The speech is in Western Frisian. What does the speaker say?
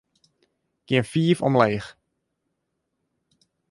Gean fiif omleech.